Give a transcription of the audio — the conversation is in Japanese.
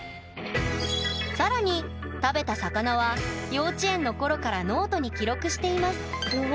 更に食べた魚は幼稚園の頃からノートに記録しています。